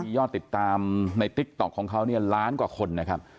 ยอดติดตามในติ๊กต๊อกของเขาเนี่ยล้านกว่าคนนะครับ